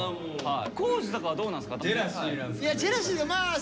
康二とかはどうなんですか？